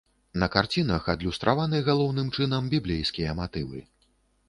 На карцінах адлюстраваны галоўным чынам біблейскія матывы.